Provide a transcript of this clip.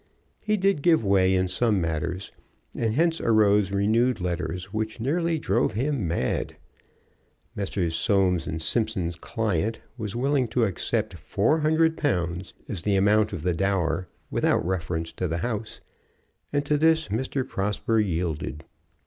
He did give way in some matters, and hence arose renewed letters which nearly drove him mad. Messrs. Soames & Simpson's client was willing to accept four hundred pounds as the amount of the dower without reference to the house, and to this Mr. Prosper yielded.